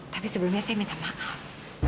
tapi sebelumnya saya minta maaf